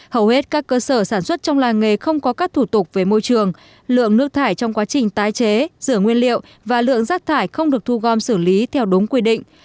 hầu hết các cơ sở sản xuất trong làng nghề không có các thủ tục về môi trường lượng nước thải trong quá trình tái chế rửa nguyên liệu và lượng rác thải không được thu gom xử lý theo đúng quy định